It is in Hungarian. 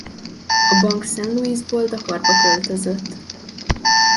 A bank Saint-Louisból Dakarba költözött.